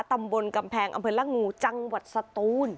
ตำบลกำแพงอำเภอละงูจังหวัดสตูน